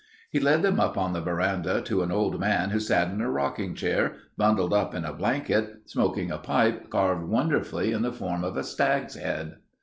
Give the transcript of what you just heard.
He led them up on the veranda to an old man who sat in a rocking chair, bundled up in a blanket, smoking a pipe carved wonderfully in the form of a stag's head.